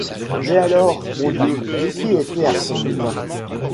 Mais alors, mon Dieu, qui était Arsène Lupin ?